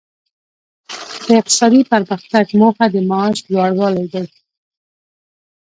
د اقتصادي پرمختګ موخه د معاش لوړوالی دی.